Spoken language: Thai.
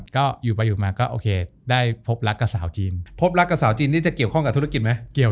ก็อยู่ไปอยู่มาก็โอเคได้พบรักกับสาวจีนพบรักกับสาวจีนนี่จะเกี่ยวข้องกับธุรกิจไหม